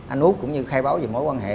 anh út cũng như khai báo về mối quan hệ